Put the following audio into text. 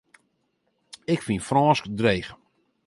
Ik fyn Frânsk dreech.